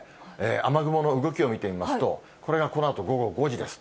雨雲の動きを見てみますと、これがこのあと午後５時です。